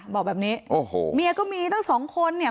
บอกแบบนี้โอ้โหเมียก็มีตั้งสองคนเนี่ย